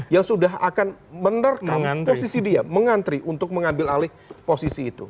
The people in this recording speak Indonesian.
yang sudah akan menerkam posisi dia mengantri untuk mengambil alih posisi itu